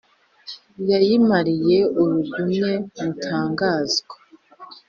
yayimariye urugumye mutaganzwa